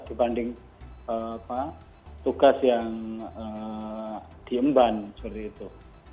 dibanding tugas yang diemban seperti itu